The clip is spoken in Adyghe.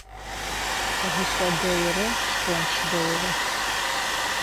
Гъусэ дэйрэ, шхонч дэйрэ.